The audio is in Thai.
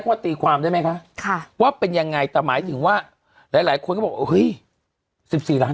ว่าตีความได้ไหมคะว่าเป็นยังไงแต่หมายถึงว่าหลายคนก็บอกเฮ้ย๑๔ล้าน